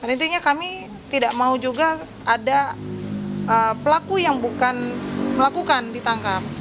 intinya kami tidak mau juga ada pelaku yang bukan melakukan ditangkap